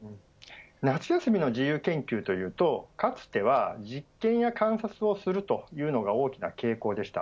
夏休みの自由研究というとかつては、実験や観察をするというのが大きな傾向でした。